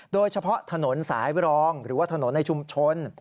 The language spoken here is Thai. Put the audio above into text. โดยเฉพาะถนนสายรองหรือว่าถนนในชุมชน